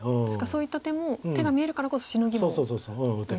そういった手も手が見えるからこそシノギもうまいと。